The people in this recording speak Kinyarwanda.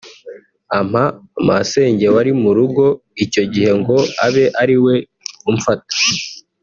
ampa masenge wari mu rugo icyo gihe ngo abe ariwe umfata